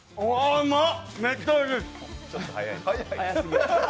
うまっ！